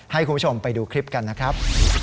ให้คุณผู้ชมไปดูคลิปกันนะครับ